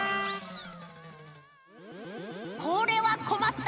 これはこまった。